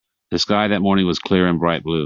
The sky that morning was clear and bright blue.